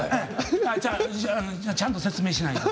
ちゃんと説明しないと。